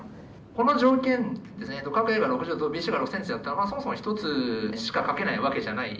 この条件でね角Ａが６０度ＢＣが６ｃｍだったらそもそも一つしか書けないわけじゃない。